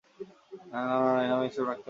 না, না, না, এসব আমি রাখতে পারবো না।